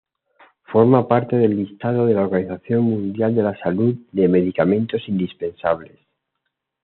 Forma parte del listado de la Organización Mundial de la Salud de medicamentos indispensables.